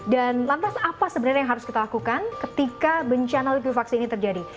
dan lantas apa sebenarnya yang harus kita lakukan ketika bencana lukifaksi ini terjadi